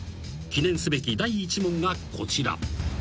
［記念すべき第１問がこちら］